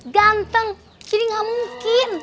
ganteng jadi gak mungkin